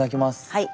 はい。